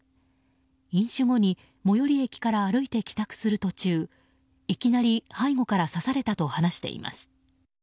飲酒後に最寄駅から歩いてきたすると中いきなり背後から刺されたと話しています。